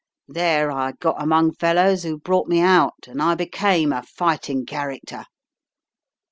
There I got among fellows who brought me out, and I became a fighting character.